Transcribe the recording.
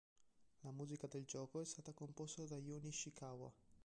La musica del gioco è stata composta da Jun Ishikawa.